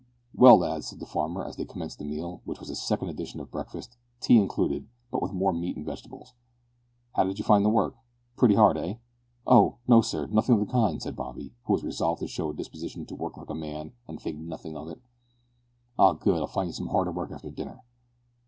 "Well, lads," said the farmer as they commenced the meal which was a second edition of breakfast, tea included, but with more meat and vegetables "how did you find the work? pretty hard eh?" "Oh! no, sir, nothink of the kind," said Bobby, who was resolved to show a disposition to work like a man and think nothing of it. "Ah, good. I'll find you some harder work after dinner."